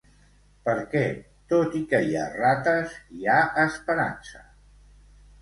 Perquè tot i que hi ha rates hi ha esperança.